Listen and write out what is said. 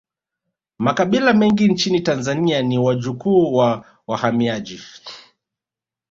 Makabila mengi nchini tanzania ni wajukuu wa wahamiaji